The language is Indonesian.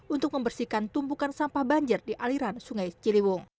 untuk membersihkan tumpukan sampah banjir di aliran sungai ciliwung